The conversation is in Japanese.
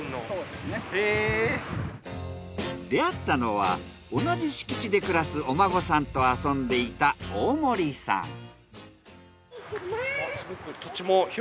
出会ったのは同じ敷地で暮らすお孫さんと遊んでいた大森さん。